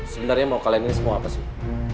sebenarnya mau kalian ini semua apa sih